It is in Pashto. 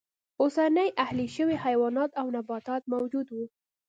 اوسني اهلي شوي حیوانات او نباتات موجود و.